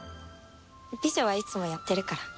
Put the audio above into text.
美女はいつもやってるから。